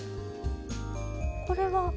これは？